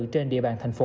trên địa bàn thành phố